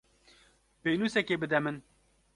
Pênûsekê bide min.